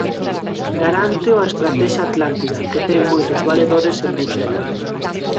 Garánteo a estratexia atlántica, que ten moitos valedores en Bruxelas.